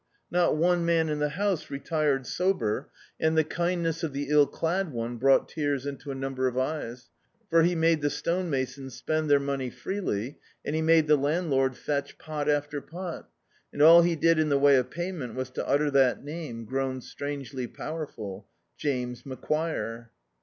Not one man in the house retired sober, D,i.,.db, Google The Fortune and the kindness of the ill<clad one brou^t tears into a number of eyes, for he made the stonemascms spend their money freely, and he made the landlord fetch pot after pot, and all he did in the way of pay ment was to utter that name, grown strangely power ful — James Macquire.